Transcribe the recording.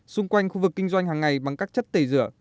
xung quanh khu vực kinh doanh hàng ngày bằng các chất tẩy rửa